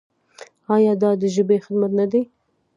آیا دا د ژبې خدمت نه دی؟